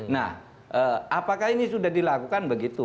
nah apakah ini sudah dilakukan begitu